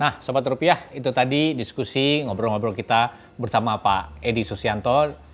nah sobat rupiah itu tadi diskusi ngobrol ngobrol kita bersama pak edi susianto